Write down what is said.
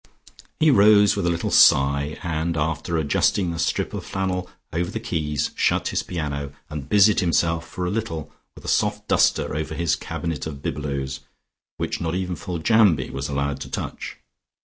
He rose with a little sigh, and after adjusting the strip of flannel over the keys, shut his piano and busied himself for a little with a soft duster over his cabinet of bibelots which not even Foljambe was allowed to touch.